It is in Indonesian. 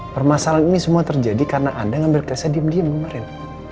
permasalahan ini semua terjadi karena anda ngambil kezia diem diem kemarin